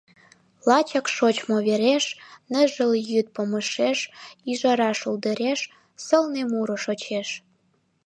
Лачак шочмо вереш, Ныжыл йӱд помышеш, Ӱжара шулдыреш Сылне муро шочеш